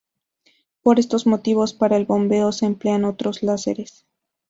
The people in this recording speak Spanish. Por estos motivos para el bombeo se emplean otros láseres.